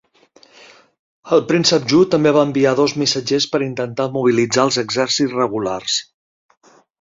El príncep Ju també va enviar dos missatgers per intentar mobilitzar els exèrcits regulars.